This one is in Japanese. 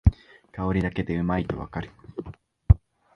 香りだけでうまいとわかる